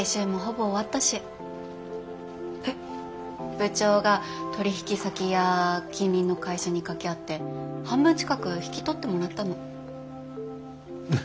部長が取引先や近隣の会社に掛け合って半分近く引き取ってもらったの。